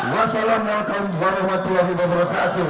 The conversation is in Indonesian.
wassalamualaikum warahmatullahi wabarakatuh